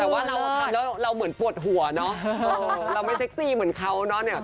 แต่ว่าเราเหมือนปวดหัวเนอะเราไม่เซ็กซี่เหมือนเขาเนอะ